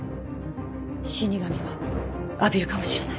死神は阿比留かもしれない。